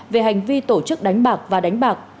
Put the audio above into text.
về hành vi tổ chức đánh bạc và đánh bạc